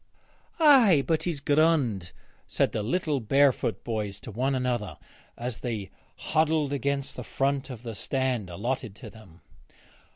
'Ay, but he's grond,' said the little barefoot boys to one another as they huddled against the front of the stand allotted to them.